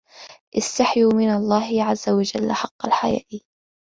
اسْتَحْيُوا مِنْ اللَّهِ عَزَّ وَجَلَّ حَقَّ الْحَيَاءِ